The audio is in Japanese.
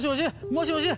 もしもし？